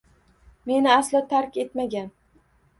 Meni aslo tark etmagan